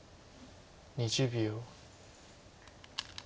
２０秒。